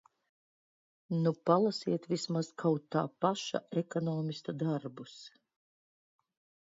Nu palasiet vismaz kaut tā paša ekonomista darbus.